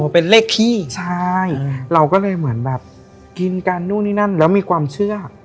เป็นเลขขี้ใช่เราก็เลยเหมือนแบบกินกันนู่นนี่นั่นแล้วมีความเชื่อ